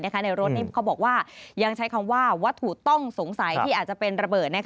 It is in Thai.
ในรถนี้เขาบอกว่ายังใช้คำว่าวัตถุต้องสงสัยที่อาจจะเป็นระเบิด